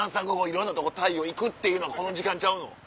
いろんなとこタイを行くっていうのがこの時間ちゃうの？